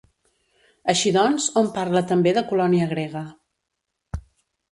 Així doncs, hom parla també de colònia grega.